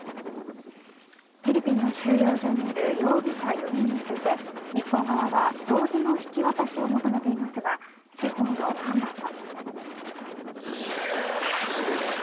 フィリピンの収容所にいる容疑者４人について日本側は同時の引き渡しを求めていますが司法の判断は？